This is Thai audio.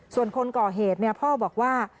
ส่วนคนก่อเหตุพ่อบอกว่า